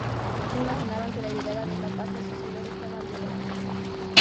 No imaginaban que la llegada de la paz a su ciudad estaba al llegar.